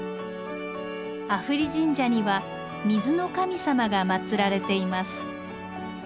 阿夫利神社には水の神様が祀られています。